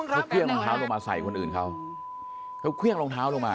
เขาเครื่องรองเท้าลงมาใส่คนอื่นเขาเขาเครื่องรองเท้าลงมา